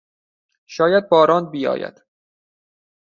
شاید باران بیاید.